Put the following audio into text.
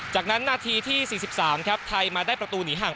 จากนั้นนาทีที่๔๓ครับไทยมาได้ประตูหนีห่าง